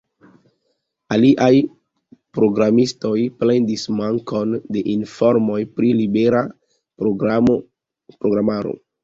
Aliaj programistoj plendis mankon de informoj pri libera programaro.